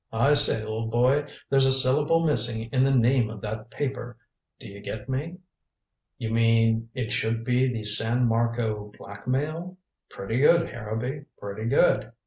I say, old boy, there's a syllable missing in the name of that paper. Do you get me?" "You mean it should be the San Marco Blackmail? Pretty good, Harrowby, pretty good."